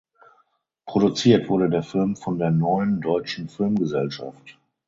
Produziert wurde der Film von der Neuen Deutschen Filmgesellschaft.